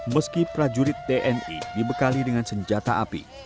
meski prajurit tni dibekali dengan senjata api